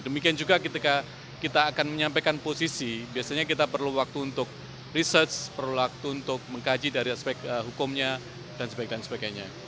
demikian juga ketika kita akan menyampaikan posisi biasanya kita perlu waktu untuk research perlu waktu untuk mengkaji dari aspek hukumnya dan sebagainya